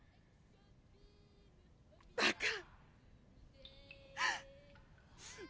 バカ。